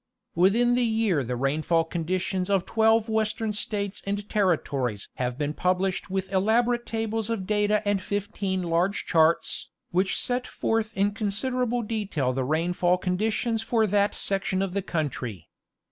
Within the year the rainfall conditions of twelve Western States and Territories have been published with elaborate tables of data and fifteen large charts, which set forth in considerable detail the rainfall conditions for that section of the country.